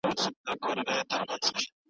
سیاست به یوازې په دولت پورې ونه تړل سي.